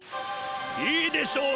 いいでしょう。